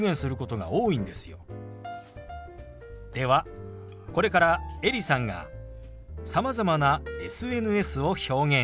ではこれからエリさんがさまざまなＳＮＳを表現します。